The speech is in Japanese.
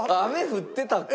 降ってた。